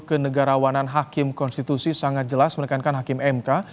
kenegarawanan hakim konstitusi sangat jelas menekankan hakim mk